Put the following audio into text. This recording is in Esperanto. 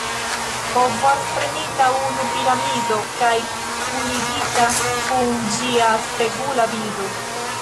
Povas prenita unu piramido kaj kunigita kun ĝia spegula bildo.